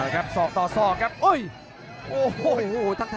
อื้อหือจังหวะขวางแล้วพยายามจะเล่นงานด้วยซอกแต่วงใน